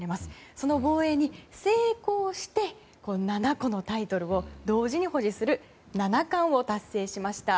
その防衛に成功して７個のタイトルを同時に保持する七冠を達成しました。